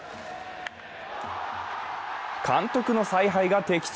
監督の采配が的中。